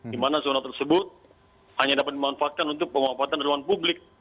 di mana zona tersebut hanya dapat dimanfaatkan untuk pemanfaatan ruang publik